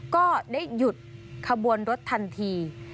ก็ได้หยุดขบวนรถทันที